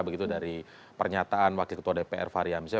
begitu dari pernyataan wakil ketua dpr fahri hamzah